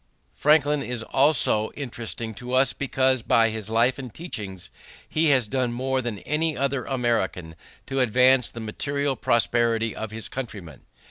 Franklin is also interesting to us because by his life and teachings he has done more than any other American to advance the material prosperity of his countrymen.